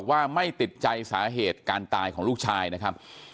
ว่าไม่ติดใจสาเหตุการตายของลูกชายนะครับ